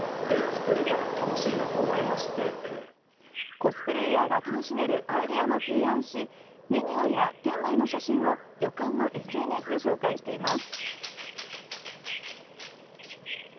コスプレイヤーが楽しめるアイデアも提案しメニューや店内の写真を旅館のＳＮＳで紹介しています。